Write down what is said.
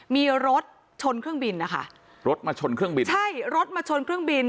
มีรถชนเครื่องบินนะคะรถมาชนเครื่องบินใช่รถมาชนเครื่องบิน